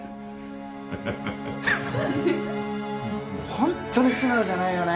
ホンットに素直じゃないよね。